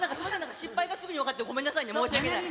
失敗がすぐに分かって、ごめんなさいね、申し訳ない。